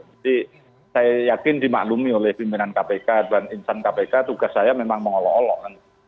jadi saya yakin dimaklumi oleh pimpinan kpk dan insan kpk tugas saya memang mengolok olok